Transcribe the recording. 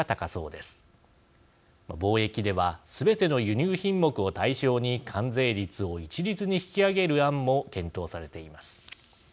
貿易ではすべての輸入品目を対象に関税率を一律に引き上げる案も検討されています。